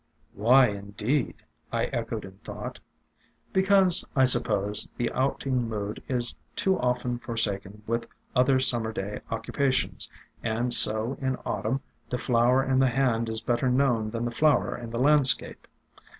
"Why, indeed?" I echoed in thought. "Be cause, I suppose, the outing mood is too often for saken with other Summer day occupations, and so in Autumn the flower in the hand is better known than the flower in the landscape.